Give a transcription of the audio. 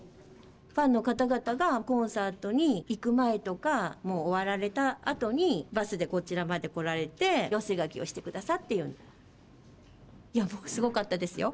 ファンの方々がコンサートに行く前とかもう終わられたあとにバスでこちらまで来られてすごかったですよ